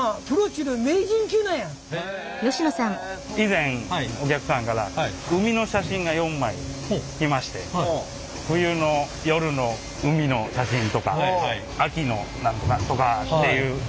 以前お客さんから海の写真が４枚来まして冬の夜の海の写真とか秋の何とかとかっていう写真が来まして